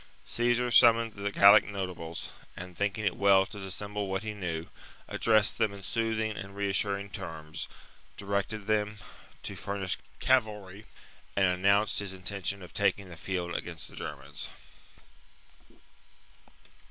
Caesar summoned the Gallic notables, and, thinking it well to dissemble what he knew, addressed them in soothing and reassuring terms, directed them to furnish cavalry, and announced his intention of taking the field against the Germans.